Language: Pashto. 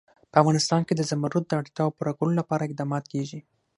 په افغانستان کې د زمرد د اړتیاوو پوره کولو لپاره اقدامات کېږي.